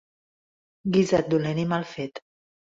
Guisat dolent i mal fet.